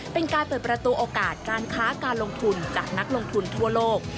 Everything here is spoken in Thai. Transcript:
เป็นการเปิดประตูโอกาสการค้าการลงทุนจากนักลงทุนทั่วโลก